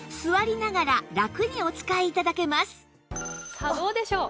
さあどうでしょう？